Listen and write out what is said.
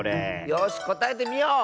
よしこたえてみよう！